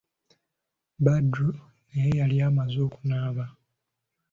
Badru naye yali amaze okunaaba.